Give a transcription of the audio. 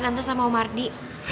tante sama om ardi